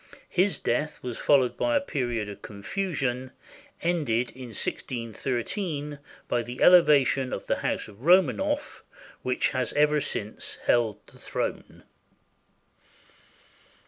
His death was followed by a period of confusion, ended in 161 3 by the elevation of the House of Romanoff, which has ever since held the throne.